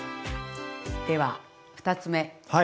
では２つ目はい。